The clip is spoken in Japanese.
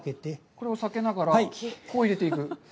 これを避けながら、こう入れていく。